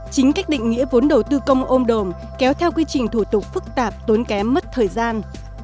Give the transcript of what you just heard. chính cách định nghĩa vốn đầu tư công ôm đồm kéo theo quy trình thủ tục phức tạp tốn kém mất thời gian